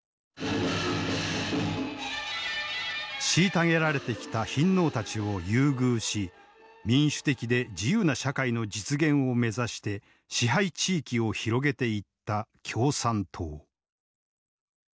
虐げられてきた貧農たちを優遇し民主的で自由な社会の実現を目指して支配地域を広げていった共産党。